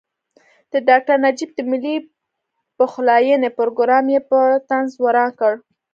د ډاکټر نجیب د ملي پخلاینې پروګرام یې په طنز وران کړ.